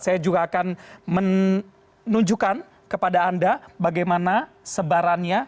saya juga akan menunjukkan kepada anda bagaimana sebarannya